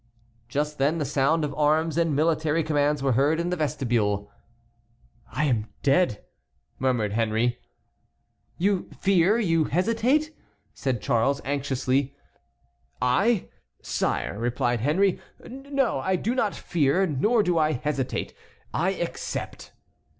Just then the sound of arms and military commands were heard in the vestibule. "I am dead!" murmured Henry. "You fear? You hesitate?" said Charles, anxiously. "I! sire," replied Henry; "no, I do not fear, nor do I hesitate. I accept."